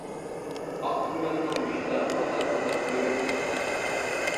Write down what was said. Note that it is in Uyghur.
ئاق تۈگمەننىڭ بېشىدا، قاتار قاتار سۆگەتلىك.